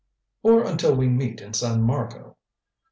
"Or until we meet in San Marco."